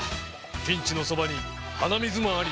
ピンチのそばに鼻水マンあり。